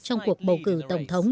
trong cuộc bầu cử tổng thống